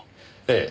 ええ。